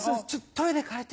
トイレ？